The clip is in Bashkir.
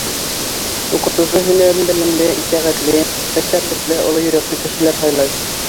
Уҡытыусы һөнәрен белемле, итәғәтле, хәстәрлекле, оло йөрәкле кешеләр һайлай.